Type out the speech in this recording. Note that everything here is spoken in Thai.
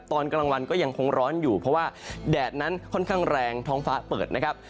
ตอนกลางวันก็ยังคงร้อนอยู่เพราะว่าแดดนั้นค่อนข้างแรงท้องฟ้าเปิดนะครับ